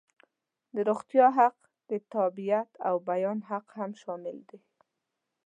د روغتیا حق، د تابعیت او بیان حق هم شامل دي.